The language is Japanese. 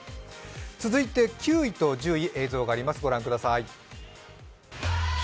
続いて９位と１０位、映像があります、ご覧ください。